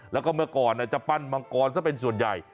แล้วก็เมื่อก่อนจะปั้นมังกรซะเป็นส่วนใหญ่